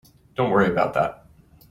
Don't worry about that.